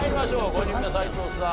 ５人目斎藤さん